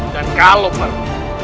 dan kalau perlu